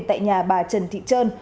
tại nhà bà trần thị trơn